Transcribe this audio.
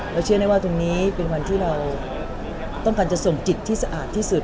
เชื่อได้ว่าตรงนี้เป็นวันที่เราต้องการจะส่งจิตที่สะอาดที่สุด